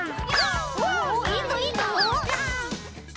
いいぞいいぞ！